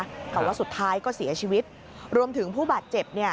แต่ว่าสุดท้ายก็เสียชีวิตรวมถึงผู้บาดเจ็บเนี่ย